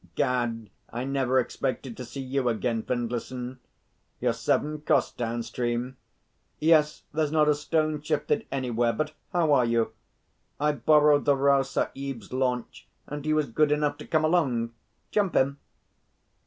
'Gad, I never expected to see you again, Findlayson. You're seven koss downstream. Yes; there's not a stone shifted anywhere; but how are you? I borrowed the Rao Sahib's launch, and he was good enough to come along. Jump in.